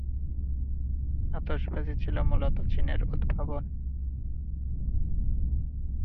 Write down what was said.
আতশবাজি ছিল মূলত চীনের উদ্ভাবন।